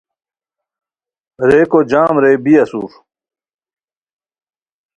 ریکو جام رے بی اسور